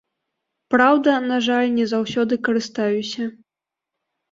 Праўда, на жаль, не заўсёды карыстаюся.